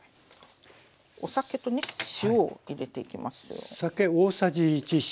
お酒とね塩を入れていきますよ。